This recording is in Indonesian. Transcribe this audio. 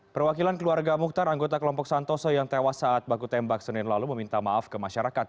perwakilan keluarga mukhtar anggota kelompok santoso yang tewas saat baku tembak senin lalu meminta maaf ke masyarakat